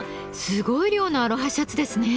すごい量のアロハシャツですね。